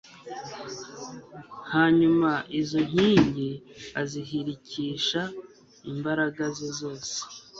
hanyuma izo nkingi azihirikisha imbaraga ze zose